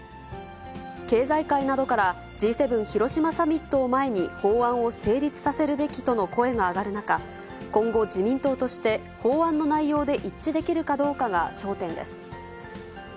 経済界などから、Ｇ７広島サミットを前に、法案を成立させるべきとの声が上がる中、今後、自民党として、法案の内容で一致できるかどうかが焦点です。